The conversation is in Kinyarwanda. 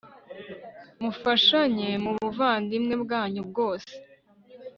mufashanye mubuvandimwe bwanyu bwose